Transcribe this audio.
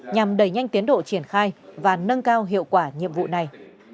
nhằm đẩy nhanh tiến độ triển khai và nâng cao hiệu quả nhiệm vụ này